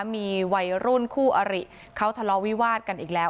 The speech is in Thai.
มีวัยรุ่นคู่อริเขาทะเลาวิวาสกันอีกแล้ว